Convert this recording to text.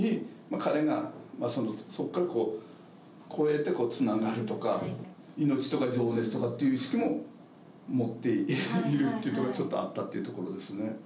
彼がそこから越えてつながるとか、命とか情熱とかっていう意識も持っているっていうところがちょっとあったっていうところですね。